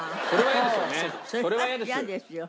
それは嫌ですよね。